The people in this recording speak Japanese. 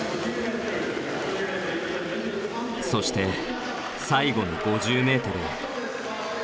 そして最後の５０ｍへ。